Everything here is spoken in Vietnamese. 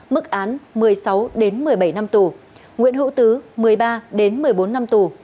mức án một mươi sáu một mươi bảy năm tù nguyễn hữu tứ một mươi ba một mươi bốn năm tù